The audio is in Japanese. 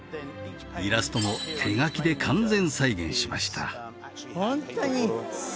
イラストも手がきで完全再現しました